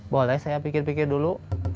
boleh saya pikir pikir dulu